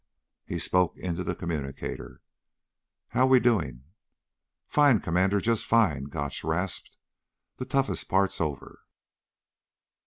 He spoke into the communicator. "How we doing?" "Fine, Commander, just fine," Gotch rasped. "The toughest part's over."